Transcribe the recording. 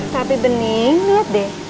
tapi bening liat deh